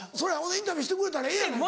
インタビューしてくれたらええやないか。